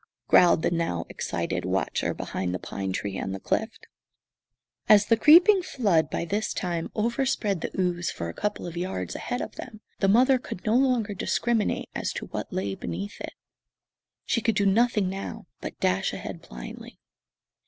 growled the now excited watcher behind the pine tree on the cliff. As the creeping flood by this time overspread the ooze for a couple of yards ahead of them, the mother could no longer discriminate as to what lay beneath it. She could do nothing now but dash ahead blindly.